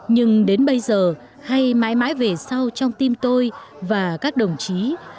nhưng đến bây giờ hay mãi mãi về sau trong tim tôi và các đồng chí